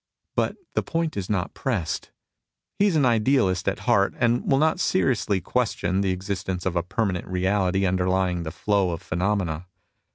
But the point is not pressed ; he is an idealist at heart, and will not seriously question the existence of a permanent Reality underlying the flow of phenomena.